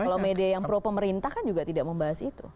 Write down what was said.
kalau media yang pro pemerintah kan juga tidak membahas itu